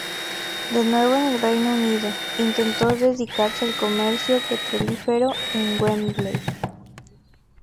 De nuevo en el Reino Unido, intentó dedicarse al comercio petrolífero en Wembley.